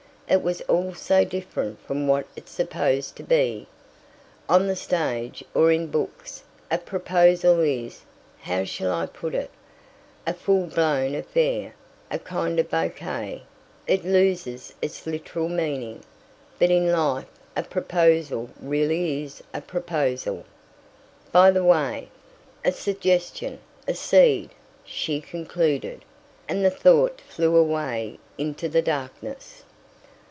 It was all so different from what it's supposed to be. On the stage, or in books, a proposal is how shall I put it? a full blown affair, a kind of bouquet; it loses its literal meaning. But in life a proposal really is a proposal " "By the way "" a suggestion, a seed," she concluded; and the thought flew away into darkness.